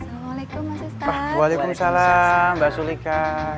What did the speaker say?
assalamualaikum waalaikumsalam mbak sulika